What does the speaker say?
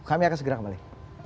kami akan segera kembali